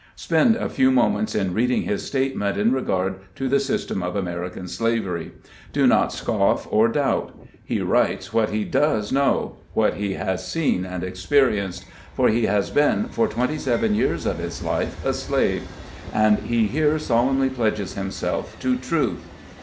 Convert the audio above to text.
Spend a few moments in reading his statement in regard to the system of American slavery. Do not scoff or 153 154 SKETCHES OF SLAVE LIFE. doubt. He writes what he does know, what he has seen and experienced ; for he has been, for twenty seven years of his life, a slave; and he here sol emnly pledges himself to truth.